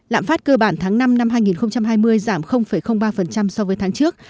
lạm phát cơ bản tháng năm năm hai nghìn hai mươi giảm ba so với tháng trước